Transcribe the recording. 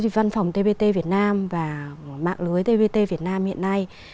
văn phòng tbt việt nam và mạng lưới tbt việt nam hiện nay